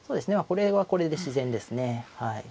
これはこれで自然ですね。